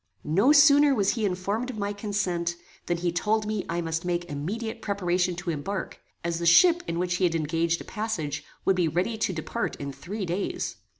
No sooner was he informed of my consent, than he told me I must make immediate preparation to embark, as the ship in which he had engaged a passage would be ready to depart in three days.